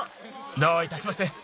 どういたしまして。